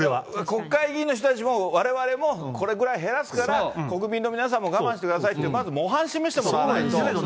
国会議員の人たちも、われわれもこれぐらい減らすから、国民の皆さんも我慢してくださいって、まず模範示してくれないと。